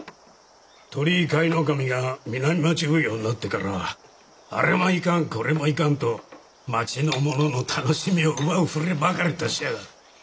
鳥居甲斐守が南町奉行になってからはあれもいかんこれもいかんと町の者の楽しみを奪う触ればかり出しやがる。